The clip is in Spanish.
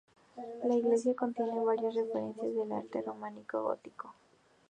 La iglesia contiene varias referencias al arte románico y gótico.